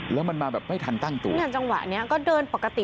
แล้วมันมาแบบไม่ทันตั้งตัวเนี่ยจังหวะเนี้ยก็เดินปกติ